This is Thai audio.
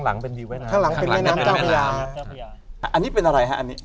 อันนี้เป็นจ้าพยา